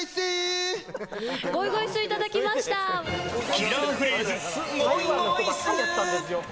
キラーフレーズゴイゴイスー。